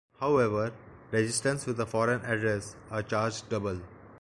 However, registrants with a foreign address are charged double.